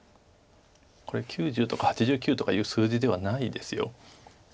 これ９０とか８９とかいう数字ではないです。